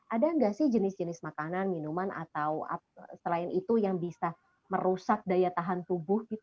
ada nggak sih jenis jenis makanan minuman atau selain itu yang bisa merusak daya tahan tubuh